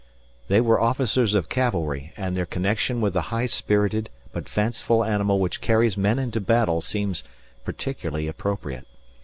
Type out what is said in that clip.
They were officers of cavalry, and their connection with the high spirited but fanciful animal which carries men into battle seems particularly appropriate.